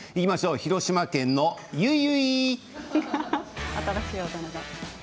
広島県の、ゆいゆい。